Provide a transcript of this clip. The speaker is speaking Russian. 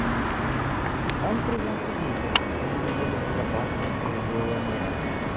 Он призван содействовать построению более безопасного и справедливого мира.